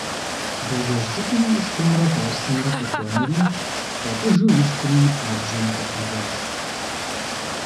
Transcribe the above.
Бажэжь цӀыкӀум шхумрэ пӀастэмрэ къыхуэнэри тӀэпӀыжу ишхри пабжьэм хыхьэжащ.